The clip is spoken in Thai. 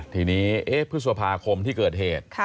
ทีนี้พฤษภาคมที่เกิดเหตุ